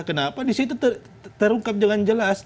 kenapa disitu terungkap dengan jelas